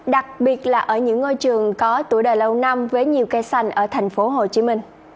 đặc biệt là ở những ngôi trường có tuổi đời lâu năm với nhiều cây xanh ở tp hcm